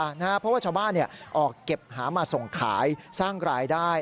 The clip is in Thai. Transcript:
เพราะว่าชาวบ้านออกเก็บหามาส่งขายสร้างรายได้